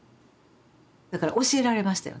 だから教えられましたよね